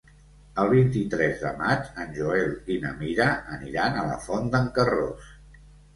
El vint-i-tres de maig en Joel i na Mira aniran a la Font d'en Carròs.